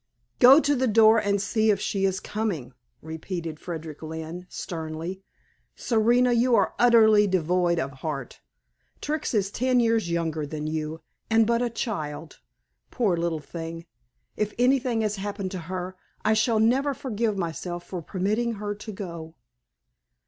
"Go to the door and see if she is coming," repeated Frederick Lynne sternly. "Serena you are utterly devoid of heart. Trix is ten years younger than you and but a child. Poor little thing! if anything has happened to her I shall never forgive myself for permitting her to go."